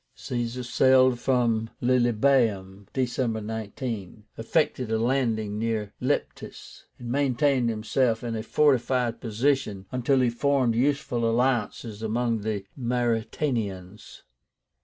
Caesar sailed from Lilybaeum (December 19), effected a landing near Leptis, and maintained himself in a fortified position until he formed useful alliances among the Mauretanians.